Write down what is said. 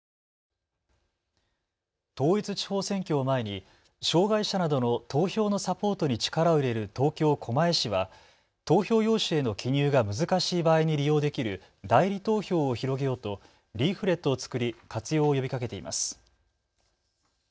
統一地方選挙を前に障害者などの投票のサポートに力を入れる東京狛江市は投票用紙への記入が難しい場合に利用できる代理投票を広げようとリーフレットを作り活用を呼びかけています。